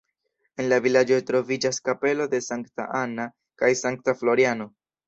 En la vilaĝo troviĝas kapelo de sankta Anna kaj sankta Floriano.